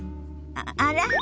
あら？